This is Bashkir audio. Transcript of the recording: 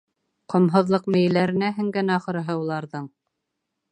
Ҡомһоҙлоҡ мейеләренә һеңгән, ахырыһы, уларҙың?!